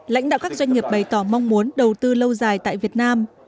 lãnh đạo các doanh nghiệp bày tỏ mong muốn đầu tư lâu dài tại việt nam